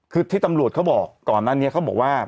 คือที่ตำรวจเค้าบอกก่อนอันนี้เค้าบอกว่า